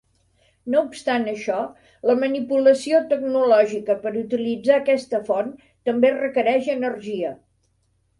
No obstant això, la manipulació tecnològica per utilitzar aquesta font, també requereix energia.